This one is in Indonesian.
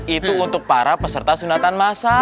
itu untuk para peserta sunatan masa